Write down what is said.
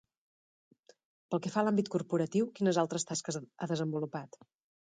Pel que fa a l'àmbit corporatiu, quines altres tasques ha desenvolupat?